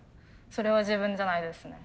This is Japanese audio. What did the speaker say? それは自分じゃないですね。